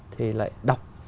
thì lại đọc